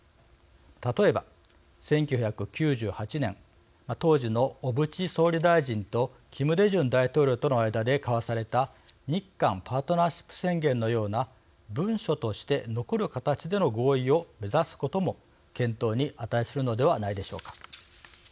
例えば１９９８年当時の小渕総理大臣とキム・デジュン大統領との間で交わされた日韓パートナーシップ宣言のような文書として残る形での合意を目指すことも検討に値するのではないでしょうか。